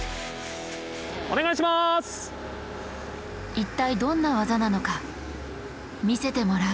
一体どんな技なのか見せてもらう。